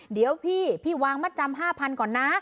เดี๋ยวพี่พี่วางมัดจำ๕๐๐๐ก่อนนะ